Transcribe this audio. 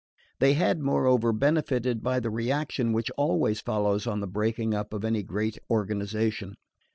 They had moreover benefited by the reaction which always follows on the breaking up of any great organisation.